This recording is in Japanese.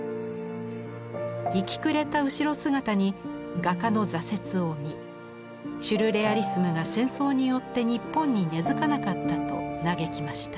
行きくれた後ろ姿に画家の「挫折」を見シュルレアリスムが戦争によって日本に根づかなかったと嘆きました。